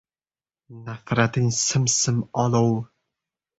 Nafrating sim-sim olov.